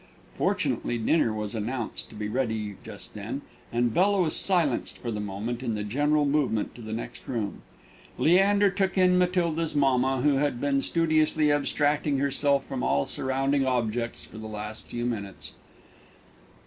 Fortunately dinner was announced to be ready just then, and Bella was silenced for the moment in the general movement to the next room. Leander took in Matilda's mamma, who had been studiously abstracting herself from all surrounding objects for the last few minutes.